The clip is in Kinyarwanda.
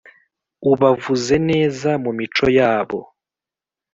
Ubavuze neza mu mico yabo